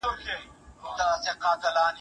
د هغې کیسه چي پرمختګ او هڅه پکښي نغښتې وي.